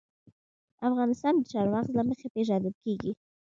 افغانستان د چار مغز له مخې پېژندل کېږي.